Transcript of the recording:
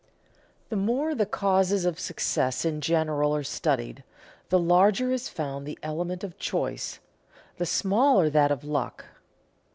The more the causes of success in general are studied, the larger is found the element of choice, the smaller that of luck.